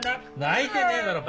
泣いてねえだろ。